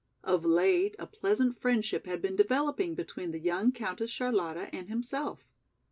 Of late a pleasant friendship had been developing between the young Countess Charlotta and himself.